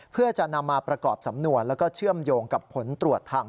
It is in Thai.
เพื่อจะนำมาประกอบสำนวนแล้วก็เชื่อมโยงกับผลตรวจทาง